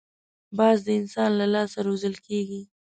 باز د انسان له لاس روزل کېږي